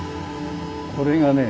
これがね